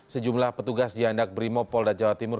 sejumlah petugas di jihandak primopolda jawa timur